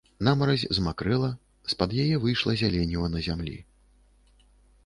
Намаразь замакрэла, з-пад яе выйшла зяленіва на зямлі.